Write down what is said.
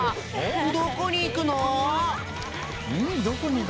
どこにいくの？